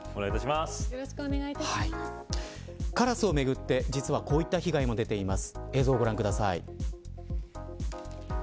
カラスをめぐって実はこういった被害も出ています。